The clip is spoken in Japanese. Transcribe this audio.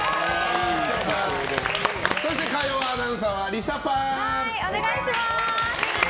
そして、火曜アナウンサーはリサパン。